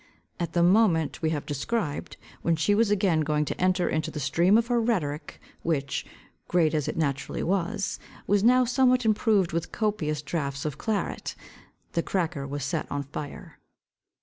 At the moment we have described, when she was again going to enter into the stream of her rhetoric, which, great as it naturally was, was now somewhat improved with copious draughts of claret, the cracker was set on fire.